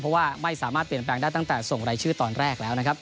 เพราะว่าไม่สามารถเปลี่ยนแปลงได้ตั้งแต่ส่งรายชื่อตอนแรกแล้วนะครับ